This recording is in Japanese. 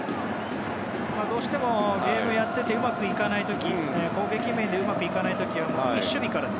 どうしてもゲームの中でうまくいかない時攻撃面でうまくいかない時はまず守備から。